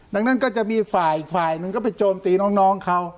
ดังนั้นก็จะมีฝ่ายอีกฝ่ายหนึ่งก็ไปโจมตีน้องเขา